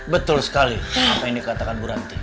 betul sekali apa yang dikatakan bu ranti